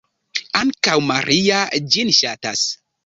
Ankaŭ Maria ĝin ŝatas.